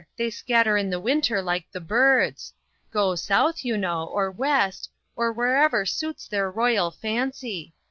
They scatter in the winter like the birds. Go South, you know, or West, or wherever suits their royal fancy.